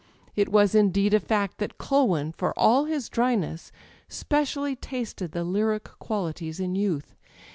It was indeed a fact that Culwin, for all his dryness, speciaUy tasted the lyric qualities in yo^th.